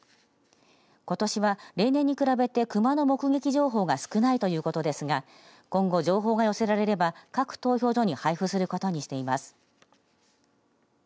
ことしは例年に比べ、クマの目撃情報が少ないということですが今後情報が寄せられれば各投票所に配布することにしています。